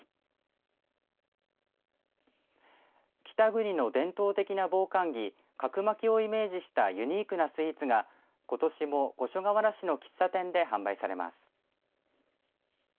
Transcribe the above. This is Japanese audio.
北国の伝統的な防寒着角巻きをイメージしたユニークなスイーツがことしも五所川原市の喫茶店で販売されます。